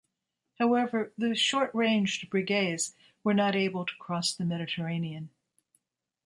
However, the short-ranged Breguets were not able to cross the Mediterranean.